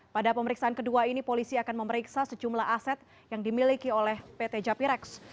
pada pemeriksaan kedua ini polisi akan memeriksa sejumlah aset yang dimiliki oleh pt japirex